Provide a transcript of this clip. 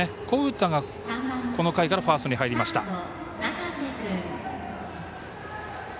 古宇田がこの回からファーストに入りました。